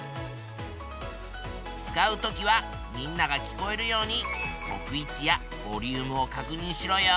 使う時はみんなが聞こえるように置く位置やボリュームをかくにんしろよ。